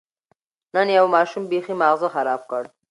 نن یو ماشوم بېخي ماغزه خراب کړ.